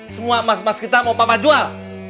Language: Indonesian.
semua emas emas kita mau papa jual